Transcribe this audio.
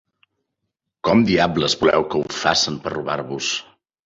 Com diables voleu que ho facen per robar-vos?